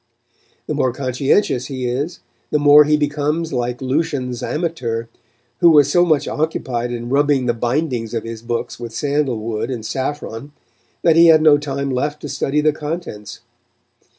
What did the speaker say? The more conscientious he is, the more he becomes like Lucian's amateur, who was so much occupied in rubbing the bindings of his books with sandal wood and saffron, that he had no time left to study the contents.